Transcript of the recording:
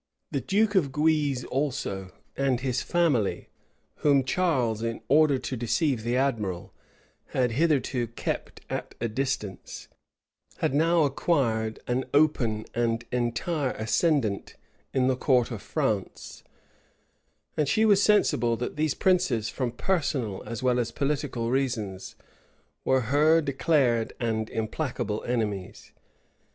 The duke of Guise also, and his family, whom Charles, in order to deceive the admiral, had hitherto kept at a distance, had now acquired an open and entire ascendant in the court of France; and she was sensible that these princes, from personal as well as political reasons, were her declared and implacable enemies.